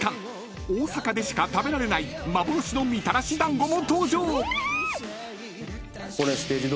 大阪でしか食べられない幻のみたらし団子も登場］